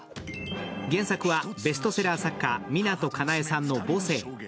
原作はベストセラー作家湊かなえさんの「母性」